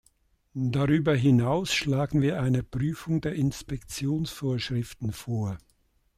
Darüber hinaus schlagen wir eine Prüfung der Inspektionsvorschriften vor.